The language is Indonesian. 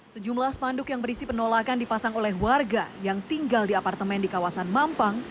sejumlah spanduk yang berisi penolakan dipasang oleh warga yang tinggal di apartemen di kawasan mampang